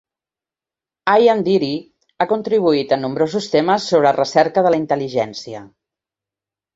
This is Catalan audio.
Ian Deary ha contribuït en nombrosos temes sobre recerca de la intel·ligència.